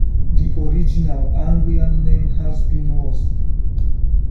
The original Anglian name has been lost.